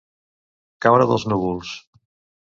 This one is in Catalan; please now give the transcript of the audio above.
Caure dels núvols.